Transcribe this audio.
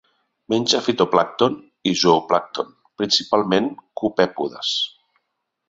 Menja fitoplàncton i zooplàncton, principalment copèpodes.